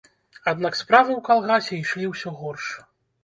Аднак справы ў калгасе ішлі ўсё горш.